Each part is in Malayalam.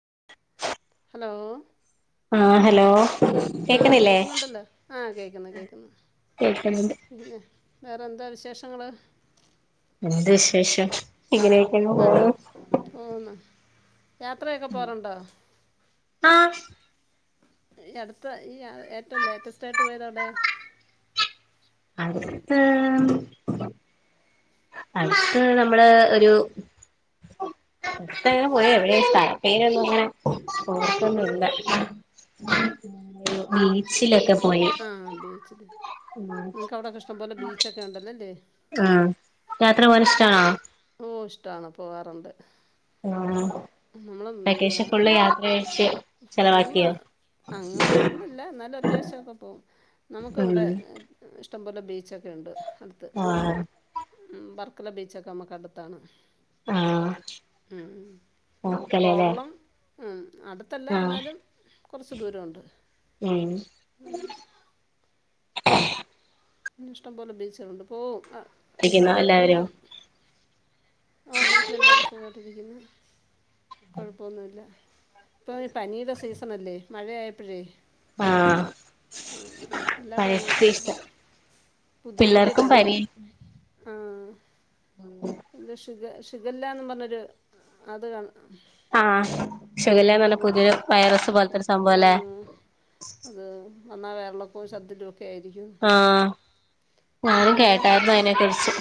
[inaudible] ഹലോ ആഹ് ഹലോ ആഹ് കേക്ക്ണില്ലേ കേക്കുന്നുണ്ടല്ലോ ആഹ് കേക്കുന്നു കേക്കുന്നു കേക്ക്ന്ന്ണ്ട് പിന്നെ വേറെ എന്താ വിശേഷങ്ങൾ എന്ത് വിശേഷം ഇങ്ങനെയൊക്കെയങ്ങ് പോകുന്നു ഉം യാത്രയൊക്കെ പോകാറുണ്ടോ ആഹ് ഈ അടുത്ത ഈ ഏറ്റവും ലേറ്റസ്റ്റ് ആയിട്ട് പോയത് എവിടെ അടുത്ത് അടുത്ത് നമ്മള് ഒരു ഇത്തങ്ങെ പോയ എവിടെ സ്ഥല പേരൊന്നും അങ്ങനെ ഓർക്കൊന്നും ഇല്ല ബീച്ചിലൊക്കെ പോയി ആഹ് ബീച്ചില് ഉം നിങ്ങക്ക് അവിടെക്കെ ഇഷ്ടം പോലെ ബീച്ചൊക്കെ ഉണ്ടല്ലോല്ലേ ആഹ് യാത്ര പോവാനിഷ്ട്ടാണോ ഓ ഇഷ്ടമാണ് പോകാറുണ്ട് ആഹ് നമ്മൾ വെക്കേഷൻ ഫുള്ള് യാത്രയഴിച്ച് ഫുള്ള് അങ്ങ് ഫുള്ളില്ല ന്നാലും അത്യാവശ്യൊക്കെ പോവും ഉം നമുക്കിവിട്ത്തെ ഇഷ്ടംപോലെ ബീച്ചൊക്കെണ്ട് അടുത്ത് ആഹ് ഉം വർക്കല ബീച്ചക്കെ നമ്മക്ക്ടുത്താണ് ആഹ് ഉം നോക്കലല്ലേ കോവളം ആഹ് അടുത്തല്ല ആഹ് എന്നാലും കൊറച്ച് ദൂരവൊണ്ട് ഉം ഇഷ്ടംപോലെ ബീച്ച്കളുണ്ട് പോവും അ ഇരിക്കുന്നോ എല്ലാവരും ആഹ് വീട്ടിലെല്ലാരും സുഖായിട്ടിരിക്കുന്നു കൊഴപ്പൊന്നുല്ല ഇപ്പൊ പനീടെ സീസണല്ലേ മഴയായപ്പഴേ ആഹ് ആഹ് എല്ലാടോങ് പരീക്ഷിച്ച കൊ പുതിയ പുതിയ പിള്ളേർക്കും പരീ പനികള് ആഹ് [inaudible] എന്തോ ഷിഗ ഷിഗാല്ലാന്നും പറഞ്ഞൊരു അത് കാണ ആഹ് ഷിഗല്ലാന്നറഞ്ഞ പുതിയൊരു വൈറസ് പോലത്തൊരു സംഭവല്ലെ അത്‌ വന്നാ വയറിളക്കോം ശർദിലുവൊക്കെ ആയിരിക്കും ആഹ് ഇപ്പം ഞാനും വരുന്ന കേട്ടാരുന്നു ആ അയ്നെക്കുറിച്ച്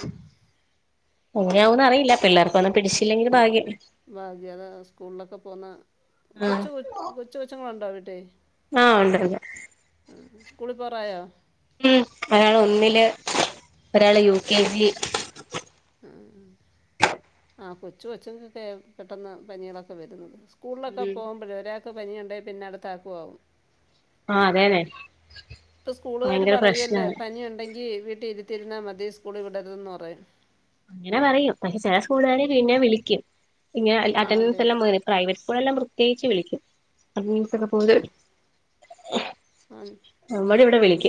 എങ്ങനെയാവുന്ന് അറിയില്ല പിള്ളേർക്ക് പ്പൊന്നും പിടിച്ചില്ലെങ്കില് ബാഗ്യം ഭാഗ്യം അതാ സ്കൂളിലൊക്കെ പോന്ന ഉം കൊച്ചു കൊ കൊച്ചു കൊച്ചങ്ങളൊണ്ടോ വീട്ടിൽ ആഹ് ഒണ്ടൊണ്ട് ആഹ് സ്കൂളി പോവാറായോ ഉം ഒരാളൊന്നില് ഒരാള് യു കെ ജി ആഹ് ആഹ് കൊച്ചു കൊച്ച്ങ്ങക്കെ പെട്ടെന്ന് പനികളൊക്കെ വരുന്നത് സ്കൂൾലക്കെ ഉം പോമ്പഴേ ഒരാക്ക് പനിയൊണ്ടേ പിന്നടുത്താക്കും ആവും ആഹ് അതേതെ ഇപ്പ സ്കൂളുകാര് പറയുവല്ലേ പനിയൊണ്ടെങ്കി വീട്ടി ഇരുത്തിരുന്നാ മതി സ്കൂളി വിടരുതെന്ന് പറയും അങ്ങനെ പറയും പക്ഷെ ചെല സ്കൂള്കാര് പിന്നെ വിളിക്കും ഇങ്ങനെ ആണല്ലേ അറ്റൻഡൻസെല്ലാം മ് പ്രൈവറ്റ് സ്കൂളെല്ലാം പ്രത്യേകിച്ച് വിളിക്കും അറ്റൻഡൻസെക്കെ പോ ആഹ് ഉം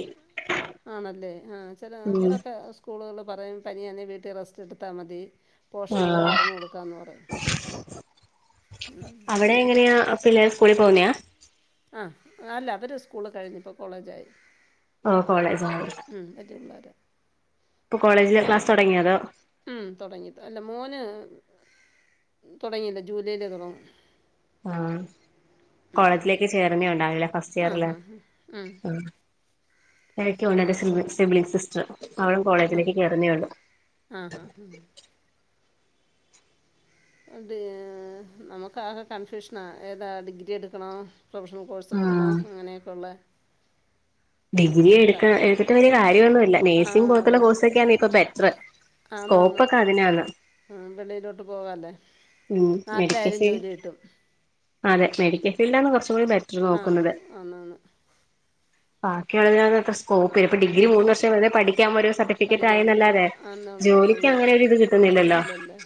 ആണല്ലേ ആ ചെല ഉം അമ്മളക്കെ സ്കൂളുകൾല് പറയും പനിയാണെങ്കി വീട്ടി റെസ്റ്റെടുത്താ മതി പോഷനവര് ആഹ് പറഞ്ഞു കൊടുക്കാന്ന് പറയും അവിടെങ്ങനെയാ പിള്ളേര് സ്കൂളിൽ പോകുന്നെയാ ആഹ് അല്ല അവര് സ്കൂള് കഴിഞ്ഞ് ഇപ്പോ കോളേജായി ആഹ് കോളേജായോ മ്മ് [unintelligible] ഇപ്പൊ കോളേജില് ക്ലാസ് തൊടങ്ങിയോ തോ ഉം തൊടങ്ങി തൊ അല്ല മോന് തൊടങ്ങീല ജൂലൈയിലേ തൊടങ്ങു ആ കോളേജിലേക്ക് ചേർന്നേ ഒണ്ടാവല്ലേ ഫസ്റ്റിയറില് ഉം എനിക്ക ഒണ്ടെന്റെ സിബി സിബ്ലിംഗ് സിസ്റ്ററ് അവളും ആ കോളേജിലേക്ക് കേറുന്നേയൊള്ളു ആ ഹാ ഹാ അത് നമുക്കാകെ കൺഫ്യൂഷനാ ഏതാ ഡിഗ്രി എടുക്കണോ പ്രൊഫഷണൽ കോഴ്സ് എടുക്കണോ ആഹ് അങ്ങനെയൊക്കെ ഉള്ളെ ഡിഗ്രി എടുക്ക എടുത്തിട്ട് വല്യ കാര്യൊന്നുല്ല ആ നേഴ്സിംഗ് പോലത്തുള്ള അതല്ലേ കോഴ്സൊക്കെയാണ് ഇപ്പൊ ബെറ്ററ് ആന്നാന്ന് വെളീലോട്ട് പോവാല്ലേ ഉം മെഡിക്കൽ നാട്ടിലായാലും ഫീൽഡ് ജോലി കിട്ടും അതെ മെഡിക്കൽ ഫീൽഡാണ് കൊറച്ചും കൂടി ആഹ് നോക്കുന്നത് ആന്നാന്ന് ബാക്കി ഒഴിവിന് [unintelligible] ഇപ്പോ ഡിഗ്രി മൂന്ന് വർഷം വെർതെ പഠിക്കാം ഒരു സർട്ടിഫിക്കറ്റ് പഠിക്കാൻ ആയന്നെല്ലാതെ ആന്നുള്ള ജോലിക്ക് ഉള്ളു അങ്ങനെ ഒരിത് അതില്ലല്ലേ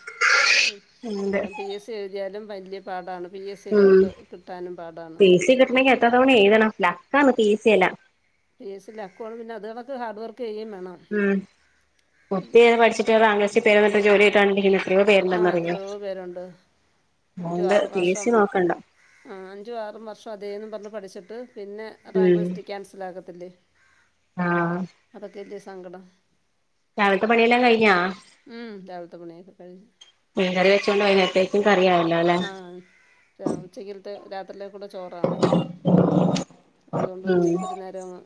ഉണ്ട് പി എസ് എഴുതിയാലും വല്യ പാടാണ് പി എസ് ഉം സിലോട്ട് കിട്ടാനും പാടാണ് പി സി കിട്ടണെങ്കി എത്ര തവണ എഴുതണം ലക്കാണ് പി സി എല്ലാം. പി എസ് സി ലക്കു ആണ് അത് കണക്ക് ഹാർഡ് വർക്ക് ചെയ്യേം വേണം. ഉം കുത്തിയിരുന്ന് പഠിച്ചിട്ട് റാങ്ക് ലിസ്റ്റിൽ പേരുവന്നിട്ട് ജോലി കിട്ടാണ്ടിരിക്കുന്നെ എത്രയോ ആ പേരുണ്ടന്നറിയോ എത്രയോ പേരുണ്ട് അതുകൊണ്ട് പി എസ് സി നോക്കണ്ട. ആഹ് അഞ്ചും ആറും വർഷം അതേന്നു പറ ഞ്ഞു പഠിച്ചിട്ട് പിന്നെ റാങ്ക് ഉം ലിസ്റ്റ് ക്യാൻസൽ ആകത്തില്ലേ? ആഹ് അതൊക്കെ അല്ലെ സങ്കടം. രാവിലത്തെ പണിയെല്ലാം കയിഞ്ഞാ-? ഉം, രാവിലത്തെ പണിയൊക്കെ കഴിഞ്ഞ് മീൻകറി വച്ചോണ്ട് വൈന്നേരത്തെക്കും കറിയായ ആഹ് ഉച്ച ഉച്ചകേ ത്ത രാത്രിയിലേക്കൂടെ ചോറാണ് അതുകൊണ്ട് ഉം ഉച്ചക്കൊരു നേരം അങ്ങ്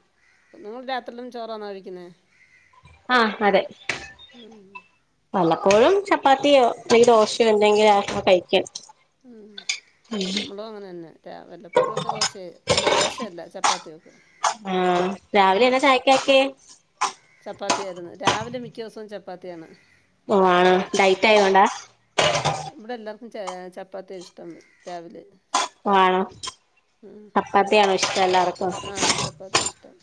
നിങ്ങളു രാത്രിലും ചോറാന്നൊ കഴിക്കുന്നെ? ആഹ് അതെ. വല്ലപ്പോഴും ചപ്പാത്തിയോ അല്ലെങ്കി ദോശയോ എന്തെങ്കിലു കഴിക്കും. ഉം നമ്മളും അങ്ങനെ തന്നെ വല്ലപ്പൊഴുവൊക്കെ ദോശയെ അല്ല ദോശയല്ല ചപ്പാത്തിയൊക്കെ ഉം രാവിലെ എന്നാ ചായക്കാക്കിയേ? ചപ്പാത്തിയായിരുന്നു രാവിലെ മിക്ക ദിവസവും ചപ്പാത്തിയാണ്. ഓഹ് ആണോ ഡൈറ്റ് ഉം. ആയതോണ്ടാ? ഇവിടെ എല്ലാർക്കും ചെ ചപ്പാത്തിയ ഇഷ്ടം രാവിലെ ആണോ ഉം. പ്പാത്തിയാണോ ഇഷ്ടം എല്ലാർക്കും ആ ചപ്പാത്തി ഇഷ്ടം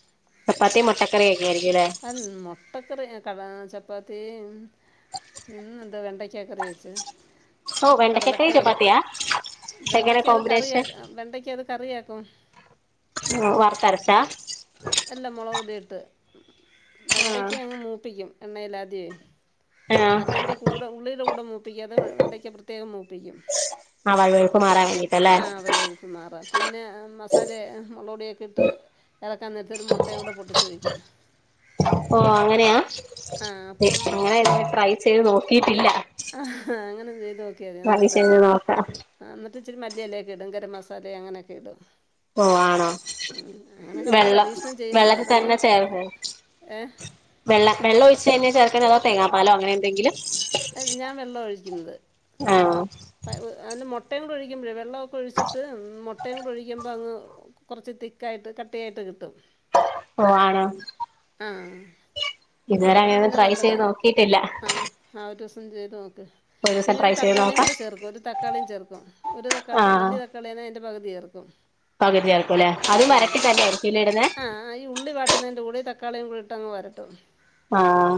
ച പ്പാ ത്തിം മുട്ടക്കറിവൊക്കൊയിരിക്കുല്ലേ? അൽ മൊ- ട്ടക്കറി കട ചപ്പാത്തി ഇന്ന് എന്ത വെണ്ടയ്ക്കക്കറി വെച്ച്- ഓ വെണ്ടക്കക്കറി കടലക്കറി വെക്കു ചപ്പാത്തിയാ എങ്ങനെ വെണ്ടയ്ക്ക അത് കറിയ കോമ്പിനേഷൻ വെണ്ടയ്ക്ക അത് കറിയാക്കും. ഓഹ് വർത്തരച്ച അല്ലാ മൊളൊടിയിട്ട് വെണ്ടയ്ക്ക അങ്ങ് മൂപ്പിക്കും. എണ്ണയിലധ്യവേ ആഹ് മറ്റേന്റേ കൂടെ ഉള്ളിടെ കൂടെ മൂപ്പിക്കാതെ വെണ്ടയ്ക്ക പ്രത്യേകം മൂപ്പിക്കും ആഹ് വഴുവഴുപ്പ് മാറാൻ വേണ്ടിട്ടല്ലേ? ഴുപ്പ് മാറാൻ. പിന്നെ മസാലേ മൊളോടിയൊക്കെ ഇട്ട് എ റക്കാൻ നേരത്ത് ഒരു മുട്ടയും കൂടെ പൊട്ടിച്ചൊഴിക്കും. ഓഹ് അങ്ങനെയാ ആ അപ്പം അങ്ങനെ ഞ ട്രൈ ചെയ്ത് നോക്കീട്ടില്ല. ഹ.. അങ്ങനെ ചെയ്ത് നോക്കിയതി നല്ലതാ ചെയ്ത് നോക്കാം ആഹ് എന്നട്ടി ച്ചിരി മല്ലിഎലഒക്കെ ഇടും ഗരം മസാല അങ്ങനൊക്കെ ഇടും. ഓ ആണോ ഉം.. അങ്ങനൊക്കെ മ്മ വള് വെള്ളം പരീക്ഷണം ചെയ്യുന്നെയ വെള്ളത്തിൽ അതങ്ങ് തന്നെ ചേർക്ക ഏഹ്. വെള്ള വെള്ള ഒയിച്ച ന്നയ ചേർക്കണോ അതോ തേങ്ങാപാലോ അങ്ങനെന്തെങ്കിലും? ഞാൻ വെള്ളവ ഒഴിക്കുന്നത്. ആഹ്.. അതിന് മൊട്ടയും കൂടി ഒഴിക്കുമ്പഴേ വെള്ളംഒക്കെ ഒഴിച്ചിട്ട് മൊട്ടയും കൂടി ഒഴിക്കുമ്പോ അങ്ങ് കൊറച്ച് തിക്കായിട്ട് കട്ടിയായിട്ട് കിട്ടും. ഓഹ്. ആണോ? ആഹ്.. ഇതുവരെ അന്നരം അങ്ങനെയൊന്നും പിന്നെ ട്രൈ ചെയ്ത് നല്ലതാ. നോക്കിയിട്ടില്ല ആഹ്. ആഹ്.. ഒരിവസം ചെയ്ത് നോക്ക്. ഒരു ദിവസം പിന്നെ ട്രൈ ചെയ്ത് തക്കാളിയും നോക്കാം കൂടെ ചേർക്കും. ഒരു തക്കാളിം ചേർക്കും. ഒരു തക്ക വലിയ തക്കാളിയാന്നെ അതിൻ്റെ പകുതി ചേർക്കും. പകുതിഏർക്കും ല്ലെ. അതും വരട്ടി തന്നായിരിക്കില്ലെ ഇട്ന്നെ? ആഹ്.. ഈ ഉള്ളി വ ട്ടതിന്റെ കൂടി തക്കാളിയും കൂടെഇട്ടങ്ങ് വരട്ടും ആഹ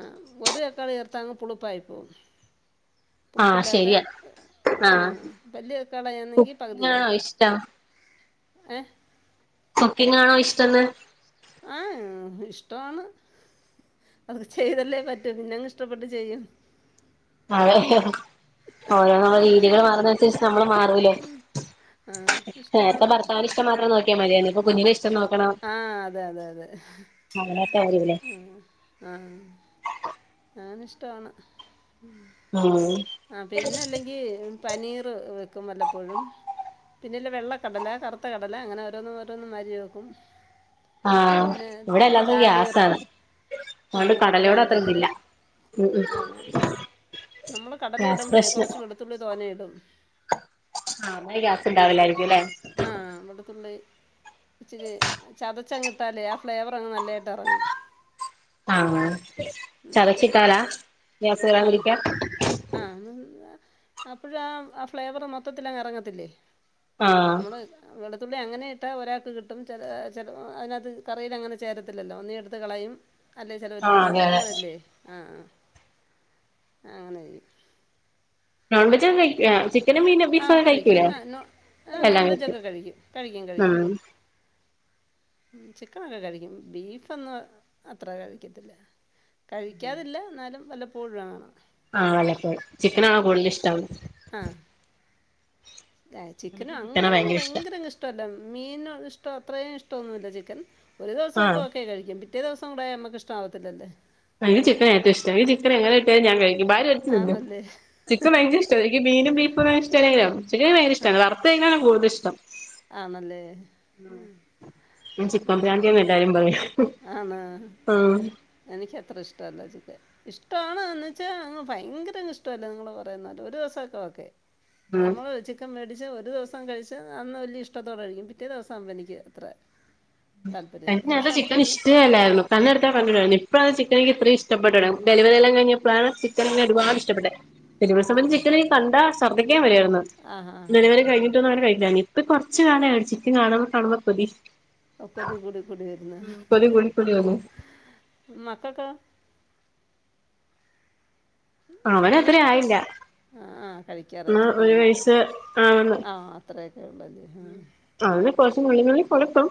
ആഹാ ഒരു തക്കാളി ചേർത്താ അങ്ങ് പുളിപ്പായിപോകും ആഹ് ശരി തെ ആഹാ വല്യ തക്കാള ആണെങ്കിൽ പകുതി കുക്കിംഗ് ആണോ ചേർക്കും ഇഷ്ടം ഏ കുക്കിംങ്ങാണോ ഇഷ്ടന്ന് ആഹാ ഇഷ്ടാന്ന് അത് ചെയ്തല്ലേ പറ്റു പിന്നങ്ങ് ഇഷ്ടപ്പെട്ട് ചെയ്യും അതെ ഒരോ രീതികള് മാറ്ന്നേ അന്സരിച്ച് ഞമ്മളും മാറൂല്ലേ ആ നേരത്തെ ഇഷ്ടമാണ് ഭർത്താവിന്റെ ഇഷ്ടം മാത്രം നോക്കിയാ മതിയാര്ന്നു, ഇപ്പൊ കുഞ്ഞിന്റെ ഇഷ്ടം നോക്കണം ആഹ് അതെ അതെ അതെ അങ്ങനെയൊക്കെ വരൂലേ ഉം ആഹ് ആന്ന് ഇഷ്ട്ടാണ് ഉം ആഹ് ആഹ് പിന്നെ അല്ലങ്കി പനീർ വെക്കും വല്ലാപ്പോഴും പിന്നെ വെള്ളക്കടല കറുത്ത കടല അങ്ങനെ ഓരോന്നും ഓരോന്നാരി വെക്കും ആഹ് പിന്നെ ഇവിടെല്ലാക്കും ദാൽ കറി ഗ്യാസാണ് ആ അതുകൊണ്ട് കടല കടലോട അത്ര ഇതില്ല കഴിക്കത്തില്ലല്ലേ ഉം ഉം നമ്മളെ ക കടല ഗ്യാസ് ഇടുമ്പഴേ പ്രശ്നം കൊറച്ച് വെളുത്തുള്ളി തോനെ ഇടും ആഹ് അങ്ങനെ ഗ്യാസ് ഉണ്ടാവില്ലായിരിക്കും അല്ലേ ആഹ് അവിടുത്തുള്ളെ ഇച്ചിരി ചതച്ചങ് ഇട്ടാലേ ആഹ് ഫ്ലേവർ അങ്ങ് നല്ലായിട്ട് എറങ്ങും ആഹ് ചതച്ചിട്ടാലാ ഗ്യാസ് കേറാതിരിക്കാ ആഹ് അപ്പഴ ആഹ് ഫ്ലേവറ് മൊത്തത്തിലങ്ങ് അറങ്ങത്തില്ലേ ആഹ് നമ്മള് വെളുത്തുള്ളി അങ്ങനെ ഇട്ടാൽ ഒരാൾക്ക് കിട്ടും ചെല ചെല അതിനകത്ത് കറിയിയലങ്ങനെ ചേരത്തില്ലല്ലോ ഒന്നീ ഇട്ത്ത് കളയും അല്ലേ ചെലോര് ആഹ് തിന്നും അതെ അതെ അങ്ങനെയല്ലേ ആഹ് ആഹ് അങ്ങനെ നോൺവെജ് കഴിക്കോ ചി പിന്നെ മീനോ ആ ബീഫോക്കെ കഴിക്കും കഴിക്കൂലേ ആ നോ ആ നോൺ എല്ലാം കഴിക്കും വെജൊക്കെ കഴിക്കും ആഹ് ചിക്കൻ നല്ലോം കഴിക്കും ബീഫൊന്നും അത്ര കഴിക്കത്തില്ല കഴിക്കാതില്ല എന്നാലും വല്ലപ്പോഴും ആണ് ആഹ് വല്ലപ്പോഴേ ചിക്കൻ ആണോ കൂടുതൽ ഇഷ്ടം ആഹ് ചിക്കനും എനിക്ക് ചിക്കനാ അങ്ങനെ അങ്ങ് ഭയങ്കര ഇഷ്ടം ഭയങ്കരങ്ങ് ഇഷ്ടമല്ല മീനോ ഇഷ്ടോ അത്രയും ഇഷ്ടമൊന്നുമല്ല ചിക്കൻ ഒരു ദിവസൊക്കെ ആഹ് ഓക്കെ കഴിക്കും പിറ്റേ ദിവസം കൂടെ നമുക്ക് ഇഷ്ടമാവത്തില്ലല്ലേ എനിക്ക് ചിക്കൻ ഏറ്റവും ഇഷ്ട എ ചിക്കൻ എങ്ങനെ കിട്ടിയാലും ഞാൻ കഴിക്കും ഭാരി വലിച്ച് തിന്നും ആണല്ലേ ചിക്കൻ ഭയങ്കര എനിക്ക് മീനും ബീഫും ഇ്ടല്ലെലും ചിക്കൻ ഭയങ്ക ആ ഇഷ്ടമാണ് വറുത്ത് തിനാനാണ് കൂടുതലിഷ്ടം ആണല്ലേ ഞാൻ ചിക്കൻ പ്രാന്തിയാന്ന് എല്ലാരും പറയും ആണോ ഉം എനിക്കത്ര ഇഷ്ടമല്ല ചിക്കൻ ഇഷ്ടമാണ്ന്ന് വെച്ചാൽ അങ്ങ് ഭയങ്കര ഇഷ്ടമല്ല നിങ്ങള് കുറന്നാ ഒരു ദിവസമൊക്കെ ഓക്കെ ഉം നമ്മള് ചിക്കൻ മേടിച്ച് ഒരു ദിവസം കഴിച്ച് അന് ഇഷ്ടത്തോടെ കഴിക്കും പിറ്റേ ദിവസവുമ്പൊ എനിക്ക് അത്ര തനി താല്പര്യമില്ല. എനിക്ക് പക്ഷെ നമുക്ക് ചിക്കൻ മീ ഇഷ്ടേഅല്ലായിരുന്നു തന്നെടുത്താ പണ്ടി ഇപ്പോ അത് ചിക്കനിക്ക് ഇത്രയും ഇഷ്ടപ്പെട്ടത് ഡലിവെറി കഴിഞ്ഞപ്പോഴാണ് ചിക്കൻ ഒരുപാട് ഓഹോ ഇഷ്ടപ്പെട്ടെ ആ ചിവസം ചിക്കൻ കണ്ടാ ശർദ്ദിക്കൻ വരുയിരുന്നു ആ ഹാ ഹാ ഹാ ഡെലിവറി കഴിഞ്ഞിട്ട് ഒന്നങ്ങന കഴിക്കാന് ഇപ്പൊ കൊറച്ച് കാലമായി ചിക്കൻ കാണുമ്പോ കാണുമ്പോ കൊതി ഒക്കതി കൂടി കൂടി വരുന്ന് കൊതി കൂടി കൂടി വന്നു മക്കക്കൊ അവന് അത്ര കുഞ്ഞുങ്ങൾക്ക് ആയില്ല ഷ് ആ കഴിക്കാറാ എന്നാ ചിക്കൻ ഒരു എന്നിട്ട് വയസ്സ് ആവുന്നു ആഹ് അത്രയൊക്കെ ഉള്ളല്ലേ അെ കുറച് നളങ്ങളിൽ കൊളക്കം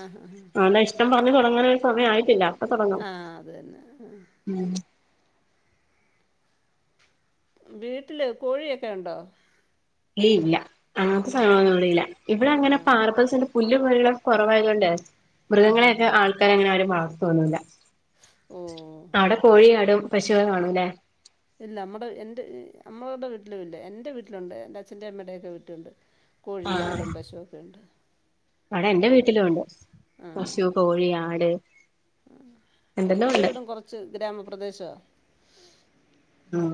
ആഹ് ഹഹ ആ ഇഷ്ടം പറഞ്ഞഞ് തുടങ്ങാന ഒരു സമയ ആയിട്ടില്ല തുടങ്ങും ആഹ് അത് തന്നെ ഉം വീട്ടിൽ കോഴിയൊക്കെ ഉണ്ടോ ഏ ഇല്ല അങ്ങനത്ത സാധനങ്ങളൊന്നും ഇവിടെ ഇല്ല ഇവിടെ ആ അങ്ങനെ പാർപ്പസിന്റെ പുല് പുഴികളൊക്കെ കുറവായത് കൊണ്ട് ആ ഹാ ഹാ മൃഗങ്ങളെയൊക്കെ ആൾക്ക ആക്കങ്ങനെ അവ വളർത്തോന്നൂല്ല ഓ അവിടെ കോഴിയാടും പശുക്കളും കാണുഅല്ലെ ഇല്ല നമ്മുടെ എ് നമ്മടെ വീട്ടിലും ഇല്ല എൻ്ന്റെ വീട്ടിലുണ്ട് എ്ന്റെ അച്ഛന്റെറെ അമ്മയുടെക്കെ വീട്ടിലുണ്ട് കോഴി ആഹ് ആടും പശുവൊക്കെ ഉണ്ട് അവിടെ എൻറെ ഇവിടില്ല വീട്ടിലുണ്ട് പശു കോഴി ആട് ആ എന്തെല്ലോ എൻ്റെ ഉണ്ട് വീടും കുറച്ച് ഗ്രാമപ്രദേശവാ ഉം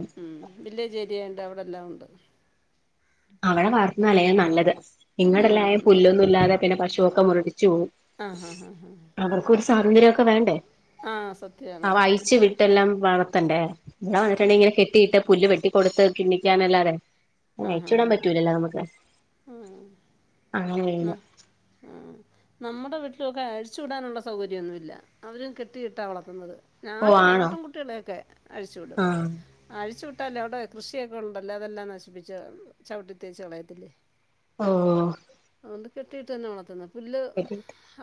വില്ലേജ് ഏരിയ ഉണ്ട് അവിടെ എല്ലാം ഉണ്ട് അവിടെ വാർത്തുന്നാലേ നല്ലത് ഇങ്ങളടെല്ലായ ആന്നാന്ന് പുല്ലൊന്നും ഇല്ലാതെ പിന്നെ പശുവൊക്കെ മുരടിച് പോവും ആ ഹാ ഹാ ഹാ അവർക്കൊരു സ്വാതന്ത്രം ഒക്കെ വേണ്ടേ ആ ആ സത്യമാണ് വായിച്ച ച്ച് വിട്ടെല്ലാം വളർത്തണ്ടേ എന്താ വന്നിട്ടുണ്ടെ ഇങ്ങനെ കെട്ടിയിട്ട് പുല് വെട്ടിടുത്ത് കിണിക്കാനല്ലാതെ ആഹ് ഹാ ഹാ എവടെ അങ്ങനെ ന വരൂല ആഹ് നമ്മുടെ വീട്ടിലൊക്കെ അഴിച്ചു വിടാനുള്ള സൗകര്യംന്നുല്ല അവരും കെട്ടിയിട്ടാ വളർത്തുന്നത് ഓ നാട്ട് ആണോ ആട്ടും കുട്ടികളെയൊക്കെ അഴിച്ചുവിടും ആഹ് അഴിച്ചു വിട്ടാലല്ലോ അവിടെ കൃഷിയൊക്കെ ഉണ്ടല്ലോ അതെല്ലാം നശിപ്പിച്ചു ചവിട്ടിത്തേച്ച് കളയത്തില്ലേ. ഓ അതുകൊണ്ട് കെട്ടിയിട്ട് തന്നെ വളർത്തുന്നത് പുല്ല്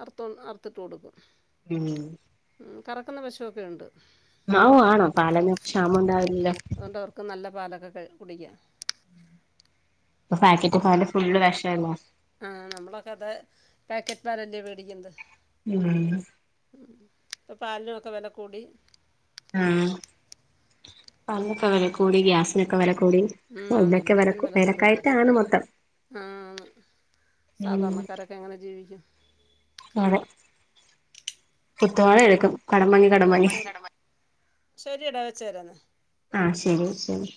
അർ അറത്തിട്ട് കൊടുക്കും. ഉം കറക്കുന്ന പശുവെക്കെഉണ്ട്. ആ വണം പാലിന് ക്ഷാമം ഉണ്ടാവില്ലല്ലോ. ഒക്കെ നല്ല പാലൊക്കെ കുടിക്ക. ഇപ്പൊ പാക്കറ്റ് പാല്ഫുള് വിഷളോ. ആ നമ്മളൊക്കെ അതെ പാക്കറ്റ് പാലല്ലേ മേടിക്കുന്നത്. മ്മ് ഇപ്പൊ പാലിനൊക്കെ വെല കൂടി. മ്മ് പാലിനൊക്കെ വെല കൂടി. ഗ്യാസിനൊക്കെ വെല കൂടി. ഉം ആന്ന് ഇതൊക്കെ വില എല്ലാത്തിനും വെല കൂടുതല്. വിലക്കയറ്റാണ് മൊത്തം മ്മ് ഉം സാധാരണക്കാര ക്കെങ്ങനെ ജീവിക്കും. അതെ കുത്തുവാള എടുക്കും. കടം പിന്നെ വാങ്ങി കടം വാങ്ങി വേറെന്ത ശരിയെടാ വെചേര് എന്ന. ആഹ് ശരി ശരി